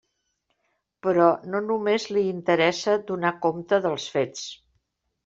Però no només li interessa donar compte dels fets.